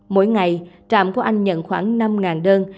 mỗi ngày trạm của anh nhận khoảng năm đơn